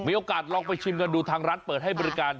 มีโอกาสลองไปชิมกันดูทางร้านเปิดให้บริการ